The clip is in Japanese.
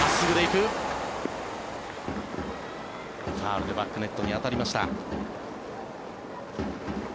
ファウルでバックネットに当たりました。